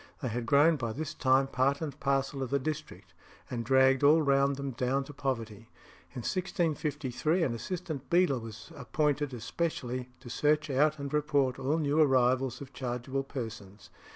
They had grown by this time part and parcel of the district, and dragged all round them down to poverty. In 1653 an assistant beadle was appointed specially to search out and report all new arrivals of chargeable persons.